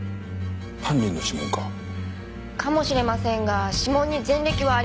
犯人の指紋か？かもしれませんが指紋に前歴はありませんでした。